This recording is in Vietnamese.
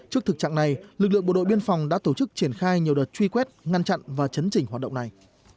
trước thực trạng này lực lượng bộ đội biên phòng đã tổ chức triển khai nhiều đợt truy quét ngăn chặn và chấn chỉnh hoạt động này